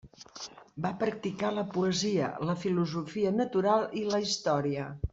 Va practicar la poesia, la filosofia natural i la història.